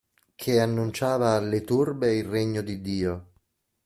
Che annunciava alle turbe il regno di Dio.